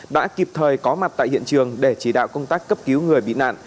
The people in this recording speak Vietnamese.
đã kịp thời có mặt tại hiện trường để chỉ đạo công tác cấp cứu người bị nạn